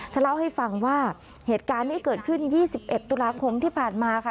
เล่าให้ฟังว่าเหตุการณ์นี้เกิดขึ้น๒๑ตุลาคมที่ผ่านมาค่ะ